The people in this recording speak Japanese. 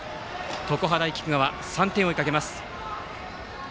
常葉大菊川、３点を追いかけます。